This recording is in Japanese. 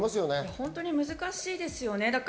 本当に難しいですよね。